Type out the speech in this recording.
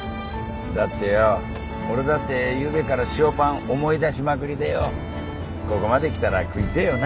だってよ俺だってゆうべから塩パン思い出しまくりでよここまで来たら食いてえよな。